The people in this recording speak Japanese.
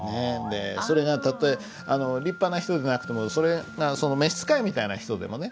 でそれがたとえ立派な人でなくてもそれが召し使いみたいな人でもね。